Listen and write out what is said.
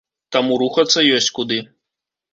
Таму рухацца ёсць куды.